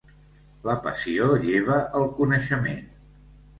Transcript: La passió lleva el coneixement.